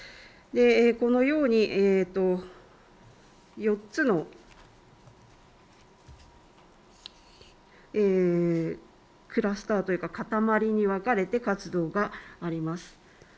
このように４つのクラスターというかかたまりに分かれて活動があります。